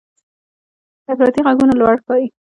افراطي غږونه لوړ ښکاري.